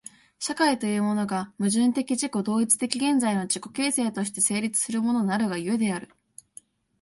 社会というものが、矛盾的自己同一的現在の自己形成として成立するものなるが故である。